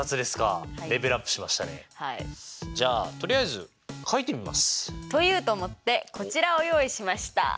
じゃあとりあえず書いてみます！と言うと思ってこちらを用意しました。